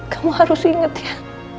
kamu harus ingat ya